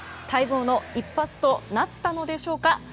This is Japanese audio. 待望の一発となったのでしょうか。